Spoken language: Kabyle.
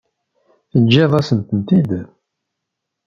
Teǧǧiḍ-asent-ten-id?